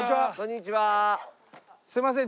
すいません